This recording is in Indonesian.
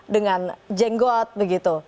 dengan jenggot begitu